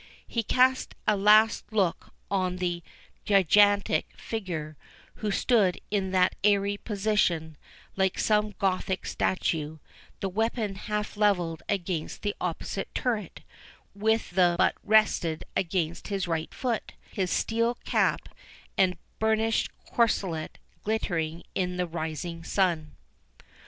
He cast a last look on the gigantic figure, who stood in that airy position, like some Gothic statue, the weapon half levelled against the opposite turret, with the but rested against his right foot, his steel cap and burnished corslet glittering in the rising sun.